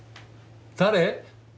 誰？